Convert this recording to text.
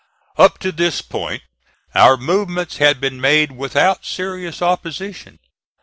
Up to this point our movements had been made without serious opposition.